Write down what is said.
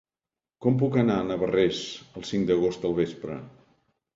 Com puc anar a Navarrés el cinc d'agost al vespre?